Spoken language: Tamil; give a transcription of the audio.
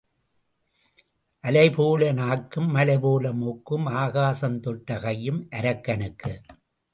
அலை போல நாக்கும் மலைபோல மூக்கும் ஆகாசம் தொட்ட கையும் அரக்கனுக்கு.